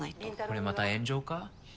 これまた炎上か？